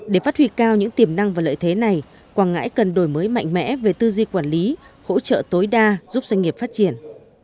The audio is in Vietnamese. để phát huy cao những tiềm năng và lợi thế này quảng ngãi cần đổi mới mạnh mẽ về tư duy quản lý hỗ trợ tối đa giúp doanh nghiệp phát triển